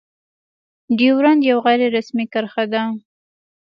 ډيورنډ يو غير رسمي کرښه ده.